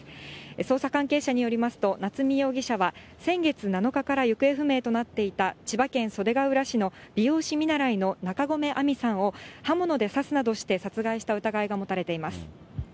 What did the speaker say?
捜査関係者によりますと、夏見容疑者は先月７日から行方不明となっていた千葉県袖ケ浦市の美容師見習いの中込愛美さんを、刃物で刺すなどして殺害した疑いが持たれています。